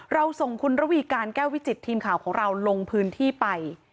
เราส่งคุณระวีการแก้ววิจิตทีมข่าวของเราลงพื้นที่ไป